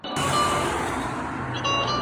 ایا ستا او د استاد مزاج سره سم دی؟